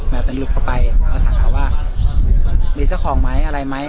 แมวเป็นลูกเข้าไปแล้วถามเขาว่ามีเจ้าของไหมอะไรไหม